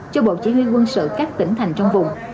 cho bộ chỉ huy quân sự các tỉnh thành trong vùng